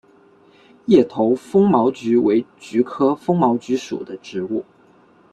叶头风毛菊为菊科风毛菊属的植物。